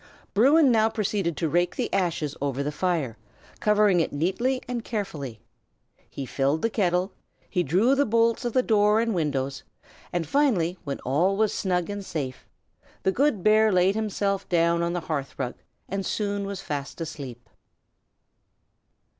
Bruin now proceeded to rake the ashes over the fire, covering it neatly and carefully. He filled the kettle; he drew the bolts of door and windows; and finally, when all was snug and safe, the good bear laid himself down on the hearth rug, and soon was fast asleep.